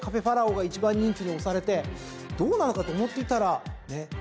ファラオが１番人気に推されてどうなのかと思っていたらね。